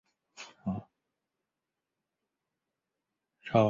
现任中国技术市场协会副会长。